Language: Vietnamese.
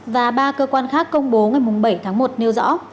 và ba cơ quan khác công bố ngày bảy tháng một nêu rõ